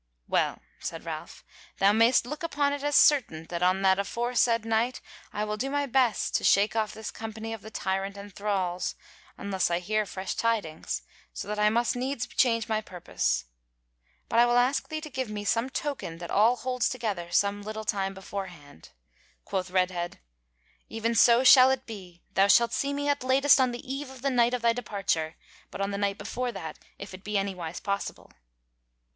"Well," said Ralph, "Thou mayst look upon it as certain that on that aforesaid night, I will do my best to shake off this company of tyrant and thralls, unless I hear fresh tidings, so that I must needs change my purpose. But I will ask thee to give me some token that all holds together some little time beforehand." Quoth Redhead: "Even so shall it be; thou shalt see me at latest on the eve of the night of thy departure; but on the night before that if it be anywise possible."